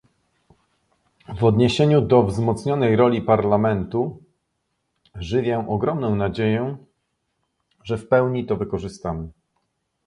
W odniesieniu do wzmocnionej roli Parlamentu, żywię ogromną nadzieję, że w pełni to wykorzystamy